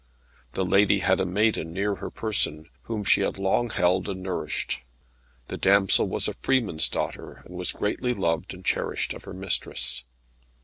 The lady had a maiden near her person, whom she had long held and nourished. The damsel was a freeman's daughter, and was greatly loved and cherished of her mistress.